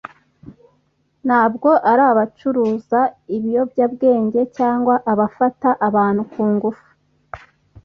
ntabwo ari abacuruza ibiyobyabwenge cyangwa abafata abantu ku ngufu